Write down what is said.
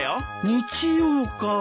日曜か。